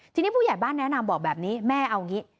ทีนี้ผู้ใหญ่บ้านแนะนำบอกแบบนี้แม่เอาอย่างนี้